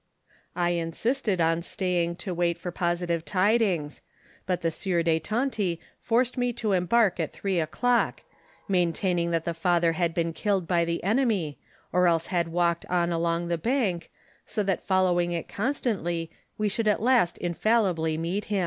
I insisted on staying to wait for pos itive tidings ; but the sieur de Tonty forced me to emburk at three o'clock, maintaining that the father had been killed by the enemy, or else had walked on along the bank, so that fol lowing it constantly, we should at last infallibly meet him.